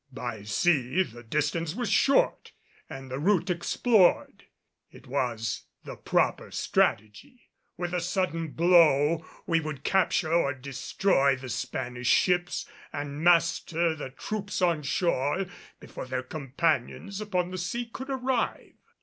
By sea, the distance was short and the route explored. It was the proper strategy. With a sudden blow we would capture or destroy the Spanish ships, and master the troops on shore before their companions upon the sea could arrive.